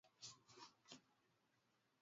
Castro alitorokea Mexico kuepuka kutuwa nguvuni